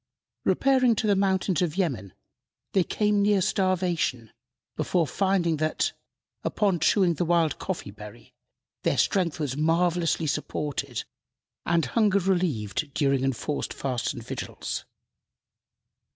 Repairing to the mountains of Yemen, they came near starvation before finding that, upon chewing the wild coffee berry, their strength was marvellously supported and hunger relieved during enforced fasts and vigils.